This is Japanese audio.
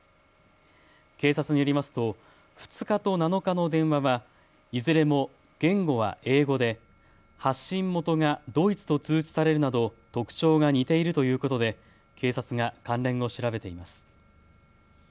警察によりますと２日と７日の電話はいずれも言語は英語で発信元がドイツと通知されるなど特徴が似ているということで警察が関連を調べています。